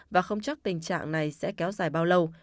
và không chắc tình trạng này sẽ kéo dài bao lâu